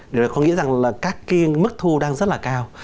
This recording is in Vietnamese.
điều này có nghĩa rằng là các cái mức thu đang rất là cao